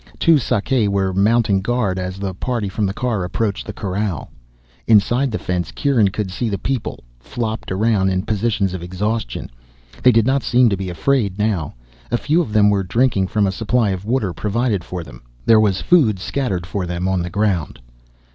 Two Sakae were mounting guard as the party from the car approached the corral. Inside the fence Kieran could see the people, flopped around in positions of exhaustion. They did not seem to be afraid now. A few of them were drinking from a supply of water provided for them. There was food scattered for them on the ground.